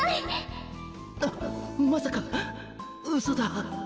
うそだ！」。